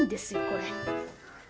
これ。